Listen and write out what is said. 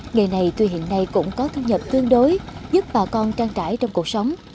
nghề này tuy hiện nay cũng có thu nhập tương đối giúp bà con trang trải trong cuộc sống